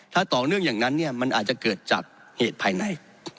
ถ้าต่อเนื่องอย่างนั้นเนี่ยมันอาจจะเกิดจากเหตุภายใน